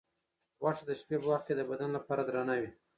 غوښه د شپې په وخت کې د بدن لپاره درنه وي.